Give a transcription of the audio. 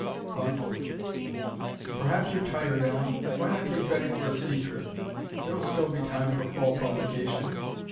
thoughtfully. "Perhaps you're tired, Allen. Why not take Betty for a sea trip? There'll still be time for fall publication."